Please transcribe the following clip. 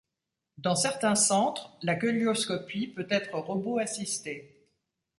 Dans certains centres la cœlioscopie peut être robot-assistée.